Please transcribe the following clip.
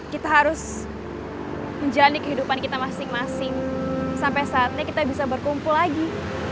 kita harus menjalani kehidupan kita masing masing sampai saat ini kita bisa berkumpul lagi